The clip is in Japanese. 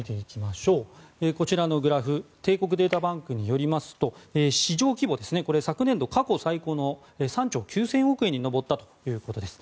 こちらのグラフ帝国データバンクによりますと市場規模ですね、昨年度過去最高の３兆９０００億円に上ったということです。